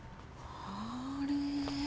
あれ。